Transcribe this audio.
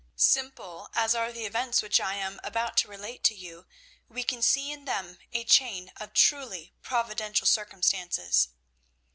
Simple as are the events which I am about to relate to you, we can see in them a chain of truly providential circumstances.